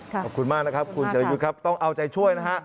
ขอบคุณมากนะครับคุณสรยุทธ์ครับต้องเอาใจช่วยนะฮะ